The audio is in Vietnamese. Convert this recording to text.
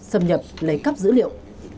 xâm nhập lấy cắp dữ liệu